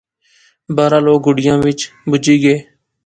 بہرحال او گڈیا وچ بہجی گئے